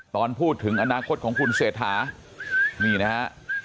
ตอนพูดถึงอนาคตของคุณเศรษฐานี่นะฮะ